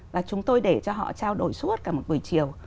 là chúng tôi để cho họ trao đổi suốt cả một buổi chiều